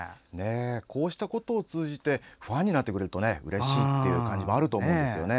こうしたことを通じてファンになってくれるとうれしいということもありますね。